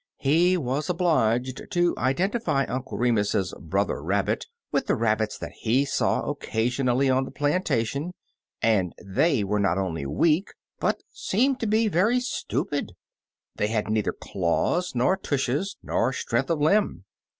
He was obliged to iden tify Uncle Remus's Brother Rabbit with the 2 Brother Rabbit's Bear Hunt rabbits that he saw occasionally on the plantation, and they were not only weak, but seemed to be very stupid; they had neither claws nor tushes, nor strength of limb.